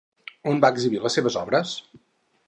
On va exhibir les seves obres?